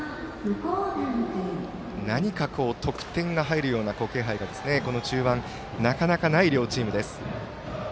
何か得点が入るような気配のこの中盤、なかなかない両チーム。